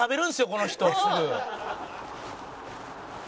この人。